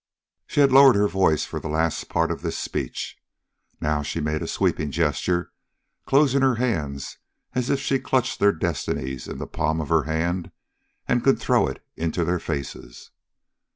She had lowered her voice for the last part of this speech. Now she made a sweeping gesture, closing her hand as if she had clutched their destinies in the palm of her hand and could throw it into their faces.